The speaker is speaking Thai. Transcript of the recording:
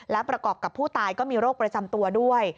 และประกอบกับผู้ตายก็มีโรคประจำตัวด้วย